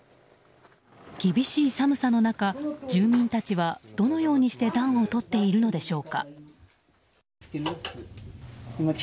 厳しい寒さの中、住民たちはどのようにして暖をとっているのでしょうか。